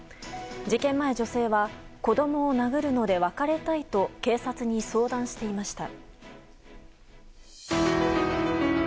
事件前、女性は子供を殴るので別れたいと警察に相談していました。